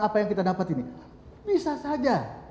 apa yang kita dapat ini bisa saja